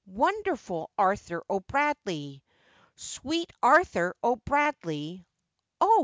wonderful Arthur O'Bradley! Sweet Arthur O'Bradley, O!